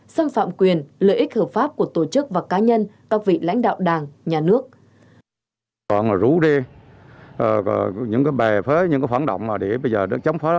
xâm phạm quyền lợi ích hợp pháp của tổ chức và cá nhân các vị lãnh đạo đảng nhà nước